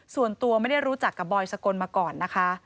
ส่วนตัวไม่ได้รู้จักกับบอยสกลมาก่อนนะคะ